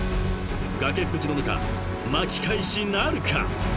［崖っぷちの中巻き返しなるか？］